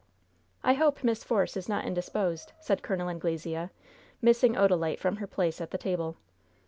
"I hope Miss Force is not indisposed," said Col. Anglesea, missing Odalite from her place at the table.